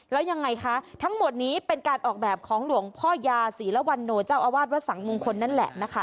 แล้วยังไงคะทั้งหมดนี้เป็นการออกแบบของหลวงพ่อยาศรีละวันโนเจ้าอาวาสวัดสังมงคลนั่นแหละนะคะ